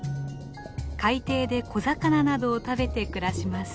海底で小魚などを食べて暮らします。